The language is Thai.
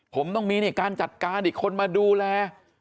ผมต้องมีการจัดการอีกคนมาดูแล